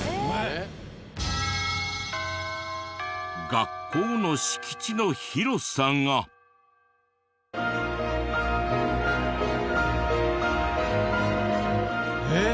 学校の敷地の広さが。えっ？